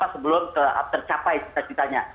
sebelum tercapai cita citanya